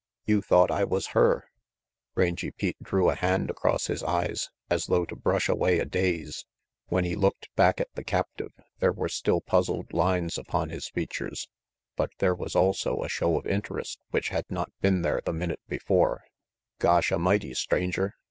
You thought I was her Rangy Pete drew a hand across his eyes, as though to brush away a daze. When he looked back at the captive there were still puzzled lines upon his features, but there was also a show of interest which had not been there the minute before. RANGY PETE 93 "Gosh A'mighty, Stranger!